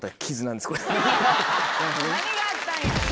何があったんや。